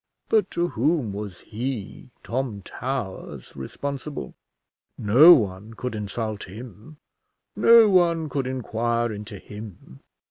But to whom was he, Tom Towers, responsible? No one could insult him; no one could inquire into him.